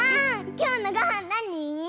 きょうのごはんなに？